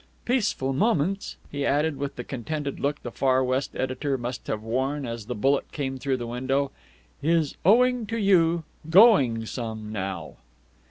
Peaceful Moments," he added, with the contented look the Far West editor must have worn as the bullet came through the window, "is, owing to you, going some now."